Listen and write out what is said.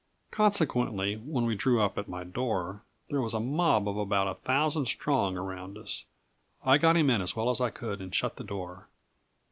Consequently, when we drew up at my door, there was a mob of about a thousand strong around us. I got him in as well as I could, and shut the door.